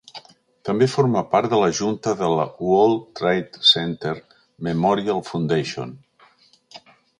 També forma part de la junta de la World Trade Center Memorial Foundation.